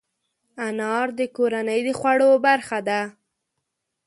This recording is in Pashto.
انار د کورنۍ د خوړو برخه ده.